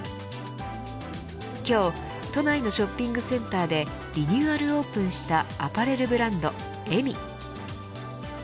今日、都内のショッピングセンターでリニューアルオープンしたアパレルブランドｅｍｍｉ。